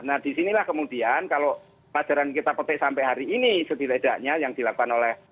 nah disinilah kemudian kalau pelajaran kita petik sampai hari ini setidaknya yang dilakukan oleh